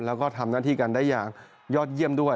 แล้วก็ทำหน้าที่กันได้อย่างยอดเยี่ยมด้วย